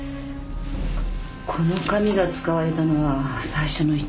この紙が使われたのは最初の１通目だけ。